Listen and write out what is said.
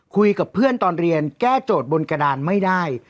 คุยกับเพื่อนตอนเรียนแก้โจทย์บนกระดานไม่ได้